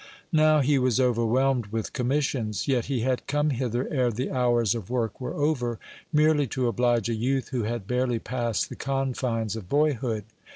Now he was overwhelmed with commissions; yet he had come hither ere the hours of work were over, merely to oblige a youth who had barely passed the confines of boyhood.